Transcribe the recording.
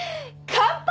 乾杯！